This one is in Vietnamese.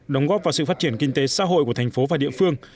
đóng góp vào sự phát triển kinh tế xã hội của thành phố và địa phương